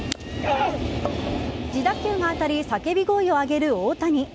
自打球が当たり叫び声を上げる大谷。